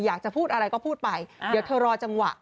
อยากจะพูดอะไรก็พูดไปเดี๋ยวเธอรอจังหวะ